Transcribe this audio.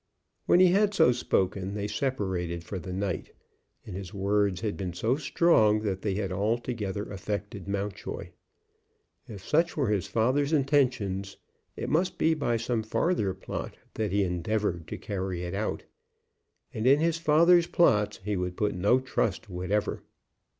When he had so spoken they separated for the night, and his words had been so strong that they had altogether affected Mountjoy. If such were his father's intentions, it must be by some farther plot that he endeavored to carry it out: and in his father's plots he would put no trust whatever.